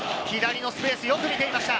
左のスペースをよく見ていました。